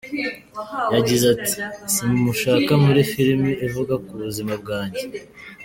Yagize ati:” Simushaka muri filim ivuga ku buzima bwanjye.